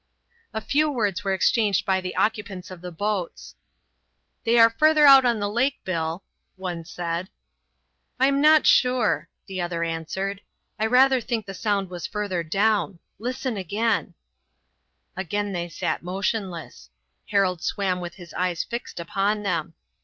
A few words were exchanged by the occupants of the boats. "They are further out on the lake, Bill," one said. "I am not sure," another answered. "I rather think the sound was further down. Listen again." Again they sat motionless. Harold swam with his eyes fixed upon them.